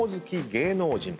芸能人